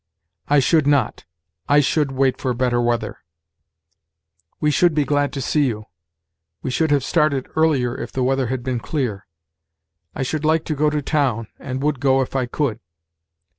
"I should not; I should wait for better weather." "We should be glad to see you." "We should have started earlier, if the weather had been clear." "I should like to go to town, and would go if I could."